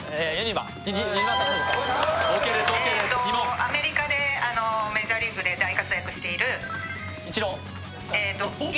アメリカでメジャーリーグで大活躍している今！